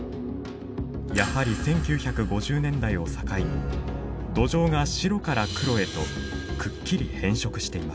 やはり１９５０年代を境に土壌が白から黒へとくっきり変色しています。